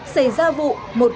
xây ra vụ một nhạc